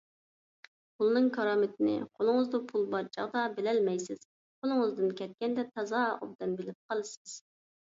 پۇلنىڭ كارامىتىنى قولىڭىزدا پۇل بار چاغدا بىلەلمەيسىز، قولىڭىزدىن كەتكەندە تازا ئوبدان بىلىپ قالىسىز.